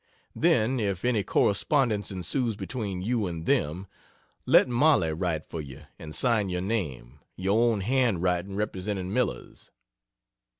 Then if any correspondence ensues between you and them, let Mollie write for you and sign your name your own hand writing representing Miller's.